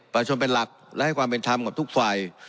ประชาชนเป็นหลักและให้ความเป็นธรรมกับทุกฝ่าย